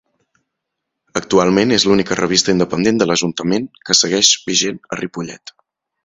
Actualment és l'única revista independent de l'Ajuntament que segueix vigent a Ripollet.